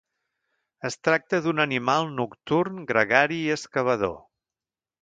Es tracta d'un animal nocturn, gregari i excavador.